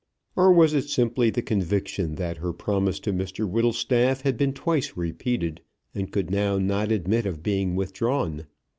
Or was it simply the conviction that her promise to Mr Whittlestaff had been twice repeated, and could not now admit of being withdrawn?